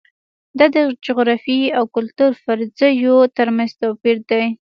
دا د جغرافیې او کلتور فرضیو ترمنځ توپیر دی.